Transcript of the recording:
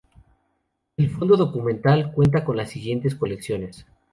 El fondo documental cuenta con las siguientes colecciones.